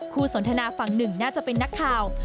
สนทนาฝั่งหนึ่งน่าจะเป็นนักข่าว